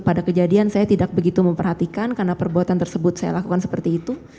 pada kejadian saya tidak begitu memperhatikan karena perbuatan tersebut saya lakukan seperti itu